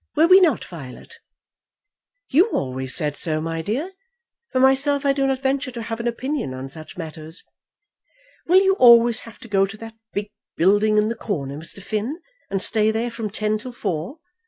Were we not, Violet?" "You always said so, my dear. For myself I do not venture to have an opinion on such matters. Will you always have to go to that big building in the corner, Mr. Finn, and stay there from ten till four?